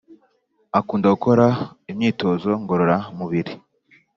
akunda gukora imyitozo ngorora mubiri